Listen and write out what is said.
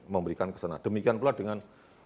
memberikan kesana demikian pula dengan